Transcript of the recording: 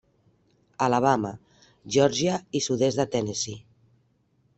Alabama, Geòrgia i sud-est de Tennessee.